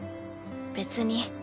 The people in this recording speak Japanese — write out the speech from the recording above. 別に。